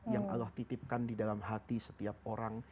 yang allah titipkan di dalam hati setiap orang